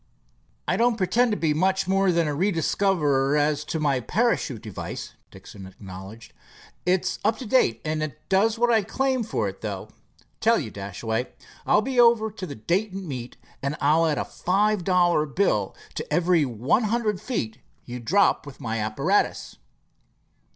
"I don't pretend to be much more than a rediscoverer as to my parachute device," Dixon acknowledged. "It's up to date, and it does what I claim for it, though. Tell you, Dashaway, I'll be over to the Dayton meet, and I'll add a five dollar bill to every one hundred feet you drop with my apparatus."